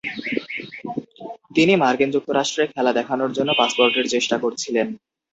তিনি মার্কিন যুক্তরাষ্ট্রে খেলা দেখনোর জন্য পাসপোর্টের চেষ্টা করছিলেন।